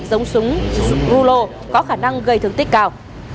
giống súng rulo có khả năng gây thương tích cao